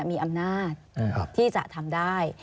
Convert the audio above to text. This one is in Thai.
มีอำนาจที่จะทำได้